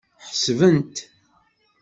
Ḥesbent.